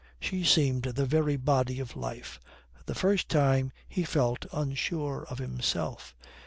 She seemed the very body of life. For the first time he felt unsure of himself.